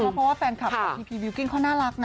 เพราะว่าแฟนคลับของพีพีบิลกิ้งเขาน่ารักนะ